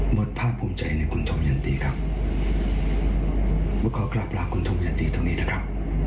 ดภาคภูมิใจในคุณธมยันตีครับมาขอกราบลาคุณธมยันตีตรงนี้นะครับ